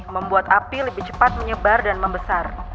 membuat api lebih cepat menyebar dan membesar